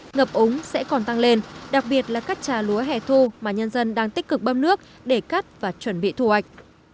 ngập úng sẽ còn tăng lên đặc biệt là các trà lúa hẻ thu mà nhân dân đang tích cực bơm nước để cắt và chuẩn bị thu hoạch